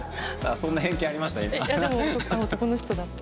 そんな偏見ありました？